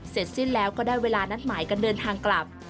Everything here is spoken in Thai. เสร็จสิ้นแล้วก็ได้เวลานัดหมายกันเดินทางกลับ